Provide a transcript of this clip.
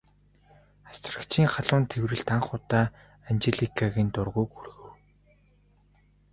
Асрагчийн халуун тэврэлт анх удаа Анжеликагийн дургүйг хүргэв.